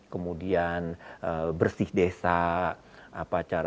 kemudian bersih desa